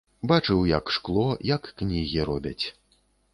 Бачыў, як шкло, як кнігі робяць.